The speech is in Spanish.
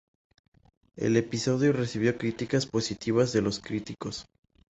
El episodio recibió críticas positivas de los críticos.